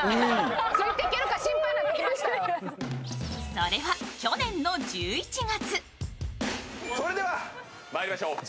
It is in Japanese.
それは去年の１１月。